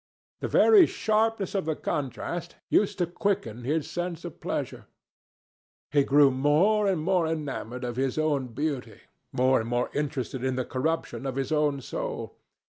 The very sharpness of the contrast used to quicken his sense of pleasure. He grew more and more enamoured of his own beauty, more and more interested in the corruption of his own soul.